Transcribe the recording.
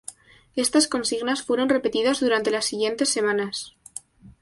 Estas consignas fueron repetidas durante las siguientes semanas.